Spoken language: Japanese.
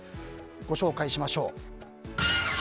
ご紹介しましょう。